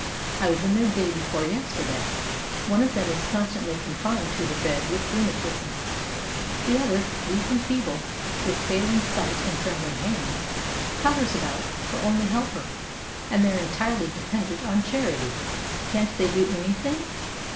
I was in there day before yesterday. One of them is constantly confined to her bed with rheumatism; the other, weak and feeble, with failing sight and trembling hands, totters about, her only helper; and they are entirely dependent on charity." "Can't they do any thing?